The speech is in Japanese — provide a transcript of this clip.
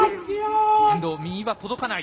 遠藤、右は届かない。